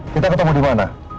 kita ketemu dimana